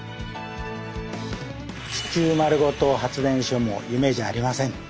地球まるごと発電所も夢じゃありません。